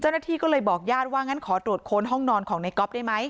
เจ้าหน้าที่ก็เลยบอกญาติว่างั้นขอตรวจค้นห้องนอนของในก๊อฟได้ไหม